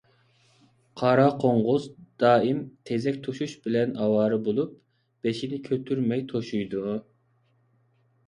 قارا قوڭغۇز دائىم تېزەك توشۇش بىلەن ئاۋارە بولۇپ، بېشىنى كۆتۈرمەي توشۇيدۇ.